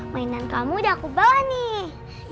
mainan kamu udah aku bawa nih